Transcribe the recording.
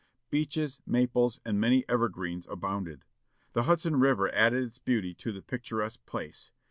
Beeches, maples, and many evergreens abounded. The Hudson River added its beauty to the picturesque place.